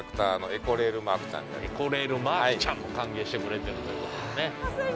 エコレールマークちゃんも歓迎してくれてるということですね。